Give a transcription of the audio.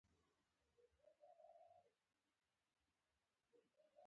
چاکلېټ د ښو خاطرو برخه ده.